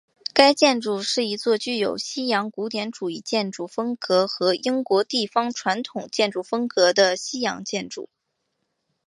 该建筑是一座具有西洋古典主义建筑风格和英国地方传统建筑风格的西洋建筑。